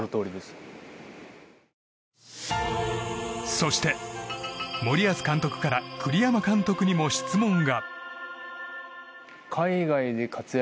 そして、森保監督から栗山監督にも質問が。